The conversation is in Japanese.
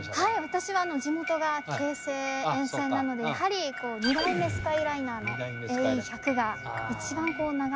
私は地元が京成沿線なのでやはり２代目スカイライナーのＡＥ１００が一番長く見た。